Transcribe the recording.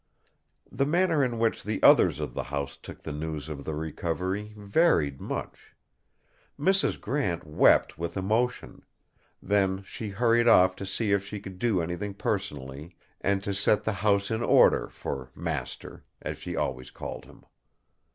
The manner in which the others of the house took the news of the recovery varied much. Mrs. Grant wept with emotion; then she hurried off to see if she could do anything personally, and to set the house in order for "Master", as she always called him.